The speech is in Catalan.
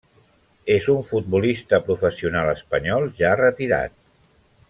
És un futbolista professional espanyol ja retirat.